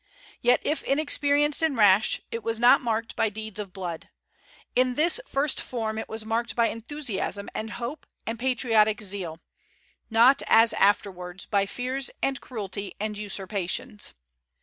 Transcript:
Yet if inexperienced and rash, it was not marked by deeds of blood. In this first form it was marked by enthusiasm and hope and patriotic zeal; not, as afterwards, by fears and cruelty and usurpations.